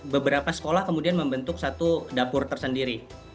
beberapa sekolah kemudian membentuk satu dapur tersendiri